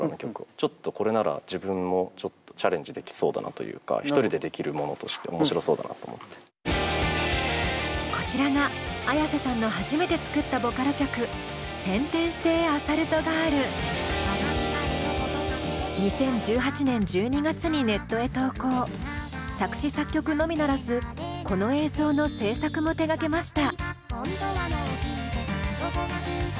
ちょっとこれなら自分もチャレンジできそうだなというかこちらがＡｙａｓｅさんの作詞作曲のみならずこの映像の制作も手がけました。